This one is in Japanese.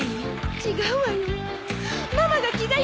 違うわよ。